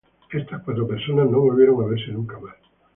Estas cuatro personas no volvieron a verse nunca más.